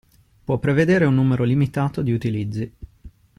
Può prevedere un numero limitato di utilizzi.